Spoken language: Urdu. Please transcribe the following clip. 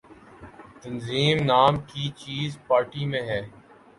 تنظیم نام کی چیز پارٹی میں ہے۔